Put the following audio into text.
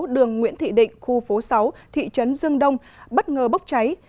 đường nguyễn thị định khu phố sáu thị trấn dương đông bất ngờ bốc cháy